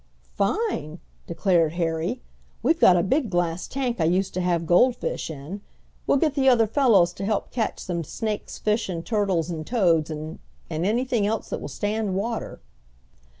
"Fine!" declared Harry. "We've got a big glass tank I used to have gold fish in. We'll get the other fellows to help catch some snakes, fish, and turtles and toads, and and anything else that will stand water!"